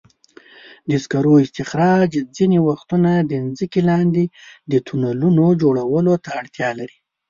د سکرو استخراج ځینې وختونه د ځمکې لاندې د تونلونو جوړولو ته اړتیا لري.